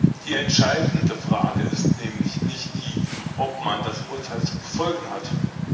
Die entscheidende Frage ist nämlich nicht die, ob man das Urteil zu befolgen hat.